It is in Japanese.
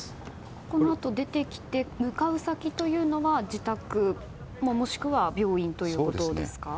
このあと出てきて向かう先は自宅もしくは病院ということですか。